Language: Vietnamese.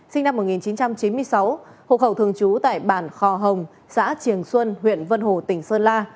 sinh năm một nghìn chín trăm chín mươi sáu hộ khẩu thường trú tại bản khò hồng xã triềng xuân huyện vân hồ tỉnh sơn la